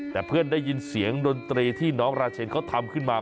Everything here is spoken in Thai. แต่เพื่อนได้ยินเสียงดนตรีที่น้องราเชนเขาทำขึ้นมา